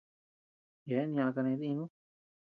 Yeabean ñaʼa kané dínu.